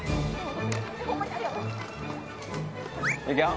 いくよ。